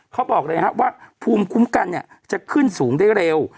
เขาบอกเลยครับว่าภูมิคุ้มกันเนี่ยจะขึ้นสูงได้เร็ว